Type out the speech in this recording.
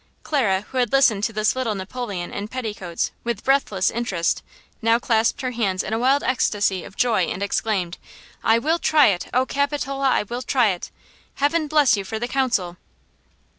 Clara who had listened to this little Napoleon in petticoats with breathless interest, now clasped her hands in a wild ecstasy of joy and exclaimed : "I will try it! Oh, Capitola I will try it! Heaven bless you for the counsel!"